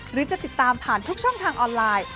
หรือจะติดตามผ่านทุกช่องทางออนไลน์